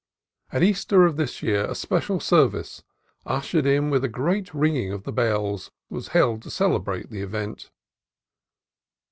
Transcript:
At Easter of this year a special service, ushered in with a great ringing of the bells, was held to celebrate the event.